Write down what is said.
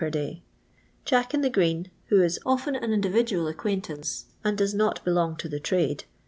„ Jack in the green, who is often an individual acquaintance, and does not belonff to the trade